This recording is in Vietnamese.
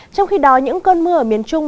trong khi đó những cơn mưa ở miền trung